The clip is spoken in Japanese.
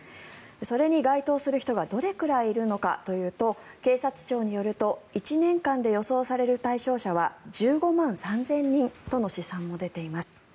それに該当する人がどれくらいいるのかというと警察庁によると１年間で予想される対象者は１５万３０００人との試算も出ています。